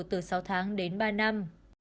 từ sáu tháng đến ba năm